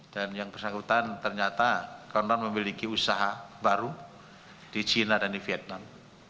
dan yang bersangkutan ternyata konon memiliki usaha baru di china dan di vietnam